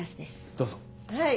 どうぞ。